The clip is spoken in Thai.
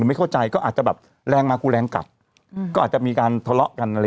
ไม่เข้าใจก็อาจจะแบบแรงมากูแรงกลับก็อาจจะมีการทะเลาะกันอะไร